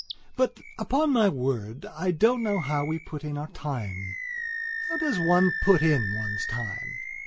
But upon my word, I don't know how we put in our time. How does one put in one's time?